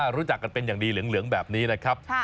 รู้จักกันเป็นอย่างดีเหลืองแบบนี้นะครับ